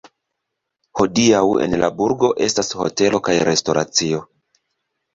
Hodiaŭ en la burgo estas hotelo kaj restoracio.